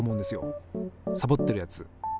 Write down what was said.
サボってるやつ。